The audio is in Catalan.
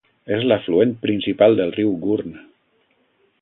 És l'afluent principal del riu Gurn.